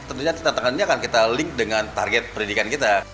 tentunya tantangan ini akan kita link dengan target pendidikan kita